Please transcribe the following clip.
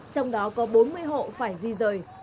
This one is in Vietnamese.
trong đó có bốn mươi hộ phải di rời